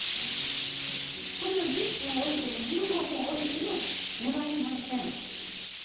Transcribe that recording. これを１０分置いても１５分置いても粘りません。